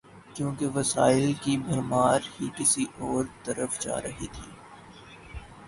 کیونکہ وسائل کی بھرمار ہی کسی اور طرف جا رہی تھی۔